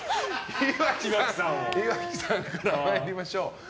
岩城さんから参りましょう。